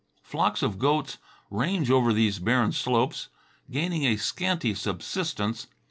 Flocks of goats range over these barren slopes, gaining a scanty subsistence.